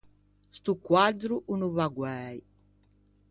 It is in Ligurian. Sto quaddro o no vâ guæi.